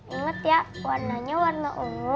ingat ya warnanya warna